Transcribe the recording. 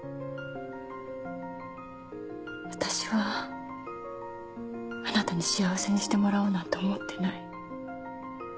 私はあなたに幸せにしてもらおうなんて思ってない。